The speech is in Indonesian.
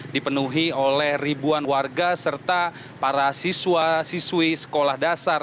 dipenuhi oleh ribuan warga serta para siswa siswi sekolah dasar